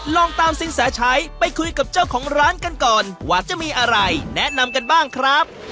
ลองตามสินแสชัยไปคุยกับเจ้าของร้านกันก่อนว่าจะมีอะไรแนะนำกันบ้างครับ